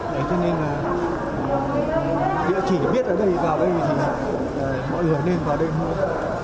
đấy cho nên là chỉ biết ở đây vào đây thì mọi người nên vào đây mua